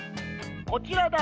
こちらだ。